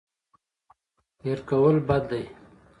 هېر کول بد دی.